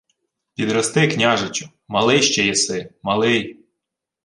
— Підрости, княжичу, малий ще єси, малий...